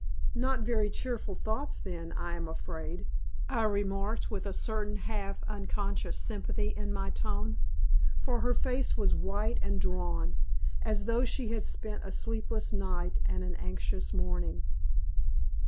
"Not very cheerful thoughts, then, I am afraid," I remarked, with a certain half unconscious sympathy in my tone. For her face was white and drawn, as though she had spent a sleepless night and an anxious morning.